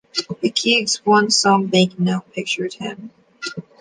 The Kyrgyz one som banknote pictures him.